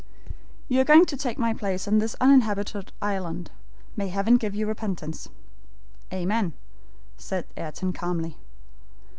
"You are going to take my place on this uninhabited island. May Heaven give you repentance!" "Amen," said Ayrton, calmly.